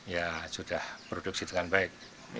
ya sudah produksi dengan baik